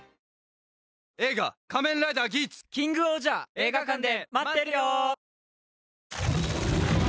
映画館で待ってるよ！